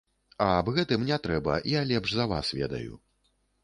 А аб гэтым не трэба, я лепш за вас ведаю.